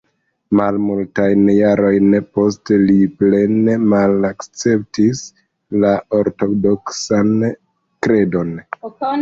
Malmultajn jarojn poste li plene malakceptis la ortodoksan kredon.